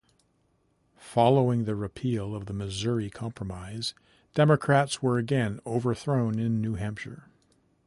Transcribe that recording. Following the repeal of the Missouri Compromise, Democrats were again overthrown in New Hampshire.